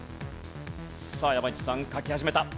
さあ山内さん書き始めた。